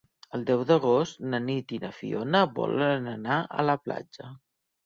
El deu d'agost na Nit i na Fiona volen anar a la platja.